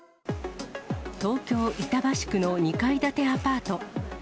東京・板橋区の２階建てアパート。